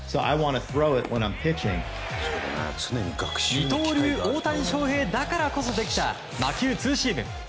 二刀流大谷翔平だからこそできた魔球ツーシーム。